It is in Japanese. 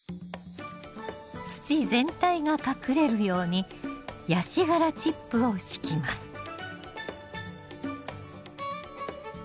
土全体が隠れるようにヤシ殻チップを敷きます。